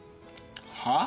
はあ？